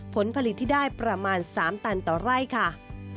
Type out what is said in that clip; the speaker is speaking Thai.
ผลผลิตที่ได้ประมาณ๓ตันต่อไร่ค่ะ